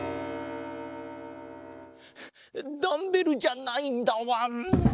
ダンベルじゃないんだわん。